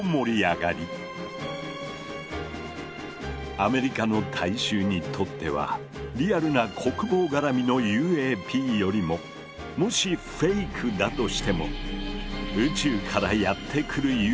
アメリカの大衆にとってはリアルな国防がらみのＵＡＰよりももしフェイクだとしても宇宙からやって来るＵＦＯのほうが楽しいのだ。